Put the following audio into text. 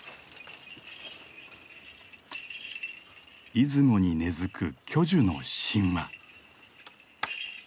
出雲に根づく巨樹の神話。